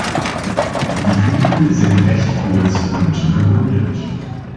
Die Flügel sind recht kurz und gerundet.